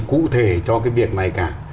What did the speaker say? cụ thể cho cái việc này cả